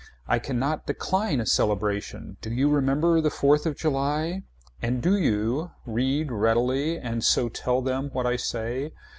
I cannot decline a celebration. Do you remember the Fourth of July. And do you. Read readily and so tell them what I say.